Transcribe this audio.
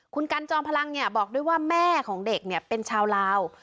คุณกันจอมพลังบอกด้วยว่าแม่ของเด็กเป็นชาวลาว